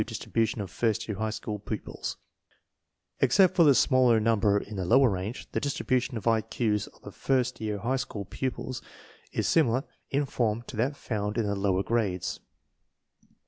I Q DISTRIBUTION OF FIEST YBAB HIGH SCHOOL PUPILS Except for the smaller number in the lower range, the distribution of I Q's of first year high school pupils is similar in form to that found for the lower grades.